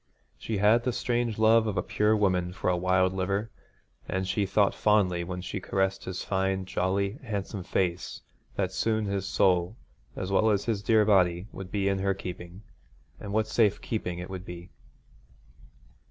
She had the strange love of a pure woman for a wild liver; and she thought fondly when she caressed his fine, jolly, handsome face that soon his soul as well as his dear body would be in her keeping: and what safe keeping it would be.